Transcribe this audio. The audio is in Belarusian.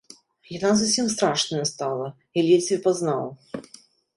Яна зусім страшная стала, я ледзьве пазнаў.